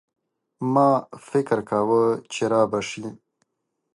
ما فکر کاوه چي رابه شي.